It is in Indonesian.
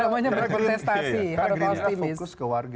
karena gerindra fokus ke warga